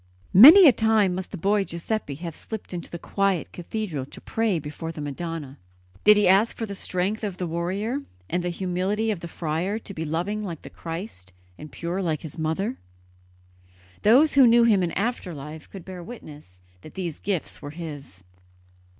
Many a time must the boy Giuseppe have slipped into the quiet cathedral to pray before the Madonna. Did he ask for the strength of the warrior and the humility of the friar, to be loving like the Christ and pure like His Mother? Those who knew him in after life could bear witness that these gifts were his.